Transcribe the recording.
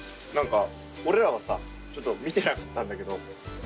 なんか俺らはさちょっと見てなかったんだけど。